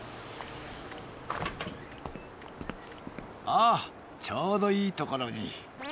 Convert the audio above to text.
あっちょうどいいところに。